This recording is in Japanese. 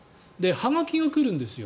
はがきが来るんですよ。